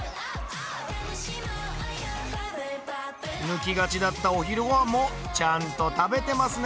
抜きがちだったお昼ごはんもちゃんと食べてますね！